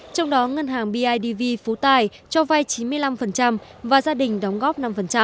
trong đó ngân hàng bidv phú tài cho vay chín mươi năm và gia đình đóng góp năm